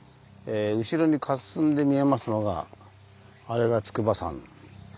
後ろにかすんで見えますのがあれが筑波山ですね。